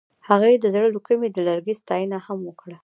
هغې د زړه له کومې د لرګی ستاینه هم وکړه.